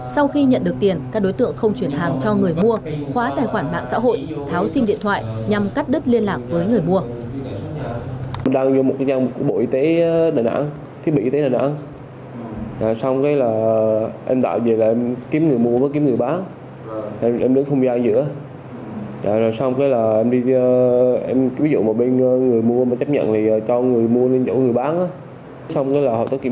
sau khi nhận được tiền các đối tượng không chuyển hàng cho người mua khóa tài khoản mạng xã hội